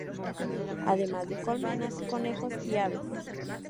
Además de colmenas, conejos y aves.